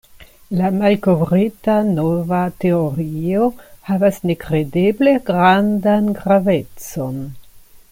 La malkovrita nova teorio havas nekredeble grandan gravecon.